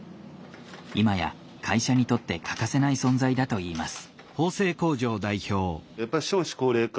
今や会社にとって欠かせない存在だといいます。